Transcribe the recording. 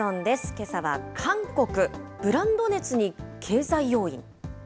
けさは韓国、ブランド熱に経済要因？